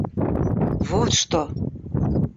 Вот что!